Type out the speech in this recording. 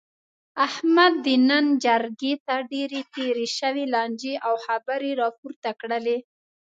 احمد د نن جرګې ته ډېرې تېرې شوې لانجې او خبرې را پورته کړلې.